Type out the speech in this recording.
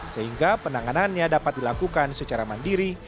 sehingga penanganannya dapat dilakukan secara mandiri